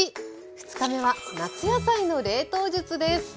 ２日目は夏野菜の冷凍術です。